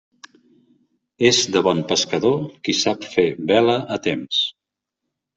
És de bon pescador qui sap fer vela a temps.